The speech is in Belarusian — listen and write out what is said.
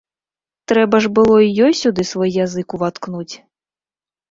Трэба ж было й ёй сюды свой язык уваткнуць.